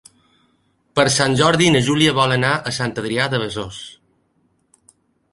Per Sant Jordi na Júlia vol anar a Sant Adrià de Besòs.